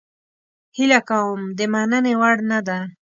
هیله کوم د مننې وړ نه ده.